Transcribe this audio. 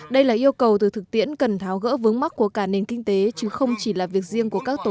đây là yêu cầu từ thực tiễn cần tháo gỡ vướng mắt của cả nền kinh tế chứ không chỉ là việc riêng của các tổ chức